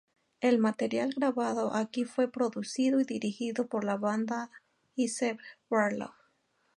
El material grabado aquí fue producido y dirigido por la banda y Seb Barlow.